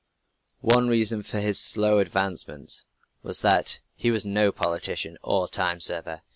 One reason for his slow advancement was that he was no politician or time server.